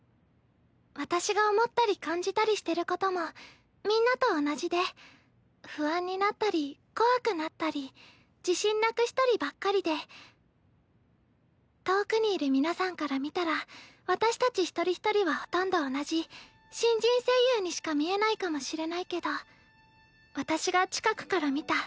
私が思ったり感じたりしてることもみんなと同じで不安になったり怖くなったり自信なくしたりばっかりで遠くにいる皆さんから見たら私たち１人１人はほとんど同じ新人声優にしか見えないかもしれないけど私が近くから見た